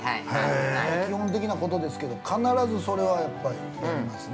基本的なことですけど必ずそれはやっぱり言いますね。